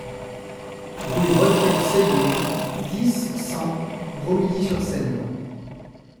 Rue Voltaire-Sellières, dix, cent Romilly-sur-Seine